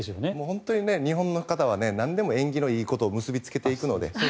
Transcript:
本当に日本の方は何でも縁起のいいことを結び付けていくので。